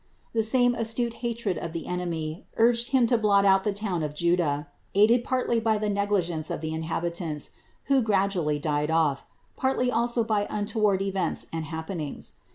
The same astute hatred of the enemy urged him to blot out the town of Juda, aided partly by the negligence of the inhabitants, who gradually died off, partly also by untoward events and happenings.